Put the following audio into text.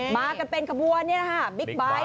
มากับเป็นขบวนนะครับ